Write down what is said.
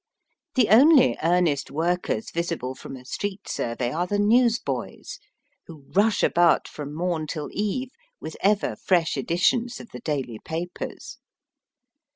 The only earnest workers visible from a street survey are the newsboys, who rush about from morn till eve with ever fresh editions of the daUy papers.